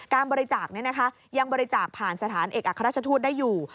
การบริจาคนี้นะคะยังบริจาคผ่านสถานเอกอักษรรจทูตได้อยู่